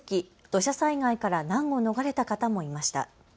土砂災害から難を逃れた方もいました。